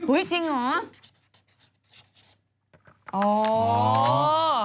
อื้อจริงเหรอ